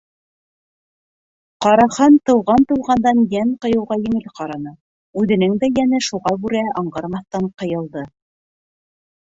Ҡарахан тыуған-тыуғандан йән ҡыйыуға еңел караны, үҙенең дә йәне шуға күрә аңғармаҫтан ҡыйылды.